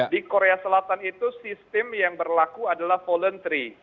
di korea selatan itu sistem yang berlaku adalah voluntary